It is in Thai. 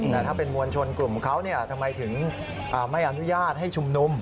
แต่ถ้าเป็นมวลชนกลุ่มเขาทำไมถึงไม่อนุญาตให้ชุมนุม